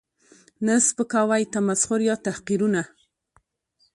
، نه سپکاوی، تمسخر یا تحقیرونه